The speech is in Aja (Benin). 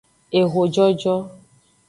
Ehojojo.